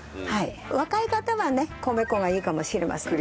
若い方はね米粉がいいかもしれません。